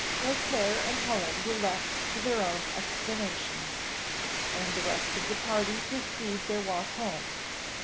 Beauclerc and Helen were left to their own explanations, and the rest of the party pursued their walk home.